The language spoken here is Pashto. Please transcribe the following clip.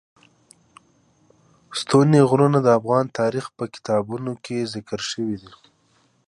ستوني غرونه د افغان تاریخ په کتابونو کې ذکر شوی دي.